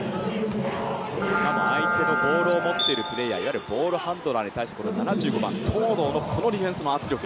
相手のボールを持っているプレーヤーボールハンドラーに対して７５番、東藤のこのディフェンスの圧力。